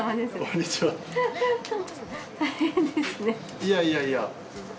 いやいやいや。